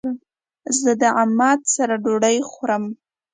زه د عماد سره ډوډی خورم